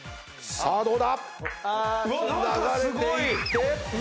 さあどうだ？